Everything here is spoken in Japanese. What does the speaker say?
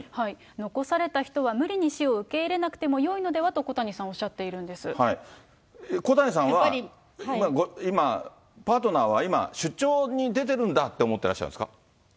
残された人は無理に死を受け入れなくてもよいのでは？と小谷小谷さんは、パートナーは今、出張に出ているんだと思われているんですか？